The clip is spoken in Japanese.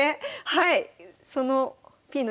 はい。